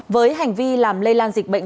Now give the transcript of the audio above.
với hành vi làm lây lan dịch bệnh